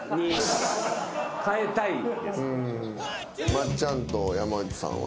松ちゃんと山内さんは？